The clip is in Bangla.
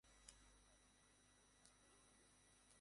পেলভিস ভেঙে গেছে।